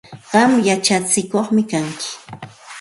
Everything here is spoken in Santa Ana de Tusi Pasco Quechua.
Qam yachatsikuqmi kanki.